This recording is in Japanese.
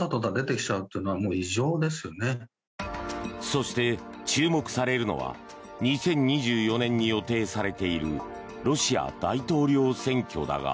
そして、注目されるのは２０２４年に予定されているロシア大統領選挙だが。